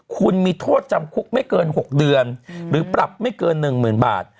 คุณมีโทษจำคุกไม่เกิน๖เดือนหรือปรับไม่เกิน๑๐๐๐บาท